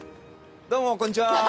どうもこんにちは。